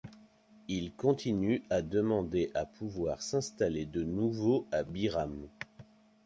Ils continuent à demander à pouvoir s'installer de nouveau à Biram.